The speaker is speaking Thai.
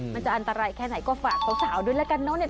มันจะอันตรายแค่ไหนก็ฝากสาวด้วยแล้วกันเนอะเนี่ย